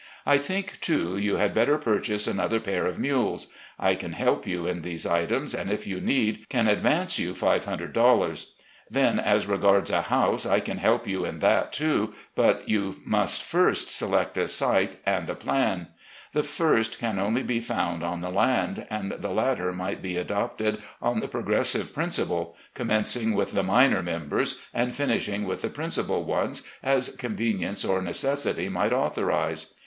I think, too, you had better purchase another pair of mules. I can help you in these items, and, if you need, can advance you $500. Then, as regards a house, I can help you in that too, but you must first select a site and a plan. The first can only be found on the land, and the latter might be adopted on the progressive principle, commencing with the minor members, and finishing with the principal ones as con venience or necessity might authorise.